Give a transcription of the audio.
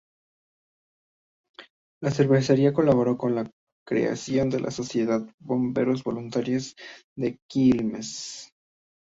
La cervecería colaboró con la creación de la Sociedad de Bomberos voluntarios de Quilmes.